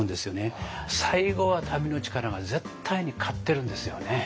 最後は民の力が絶対に勝ってるんですよね。